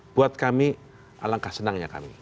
buat kami alangkah senangnya kami